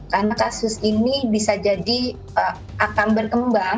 karena kasus ini bisa jadi akan berkembang